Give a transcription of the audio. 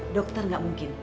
dokter gak mungkin